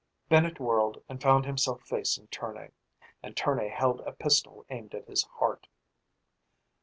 Bennett whirled and found himself facing Tournay. And Tournay held a pistol aimed at his heart.